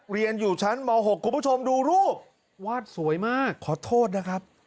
เรียนอยู่ชั้นม๖คุณผู้ชมดูรูปวาดสวยมากขอโทษนะครับ